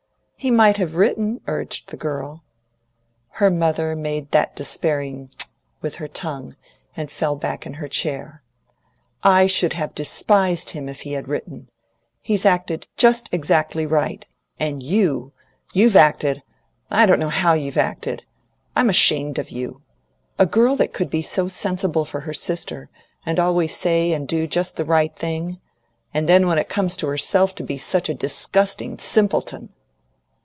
"He might have written," urged the girl. Her mother made that despairing "Tchk!" with her tongue, and fell back in her chair. "I should have DESPISED him if he had written. He's acted just exactly right, and you you've acted I don't know HOW you've acted. I'm ashamed of you. A girl that could be so sensible for her sister, and always say and do just the right thing, and then when it comes to herself to be such a DISGUSTING simpleton!"